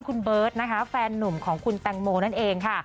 คุณเบิร์ตนะคะแฟนหนุ่มของคุณแตงโมนั่นเองค่ะ